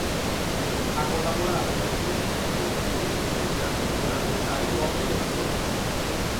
Ha collaborato anonimamente con gli attivisti sul campo per annunciare i luoghi della protesta.